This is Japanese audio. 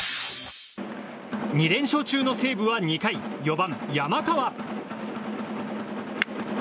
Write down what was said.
２連勝中の西武は２回４番、山川。